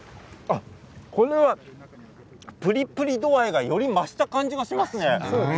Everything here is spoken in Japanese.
プリプリ度合いがより増したような感じがしますね。